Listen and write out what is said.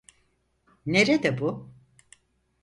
Nerede bu?